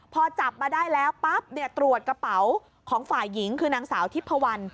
พอจับมาได้แล้วปั๊บตรวจกระเป๋าของฝ่ายหญิงคือนางสาวทิพพวัน